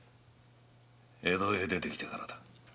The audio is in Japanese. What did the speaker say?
江戸へ出てきてからだ。